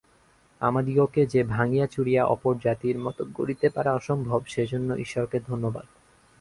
আমাদিগকে যে ভাঙিয়া-চুরিয়া অপর জাতির মত গড়িতে পারা অসম্ভব, সেজন্য ঈশ্বরকে ধন্যবাদ।